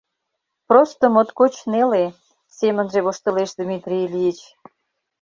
Просто моткоч неле», — семынже воштылеш Дмитрий Ильич.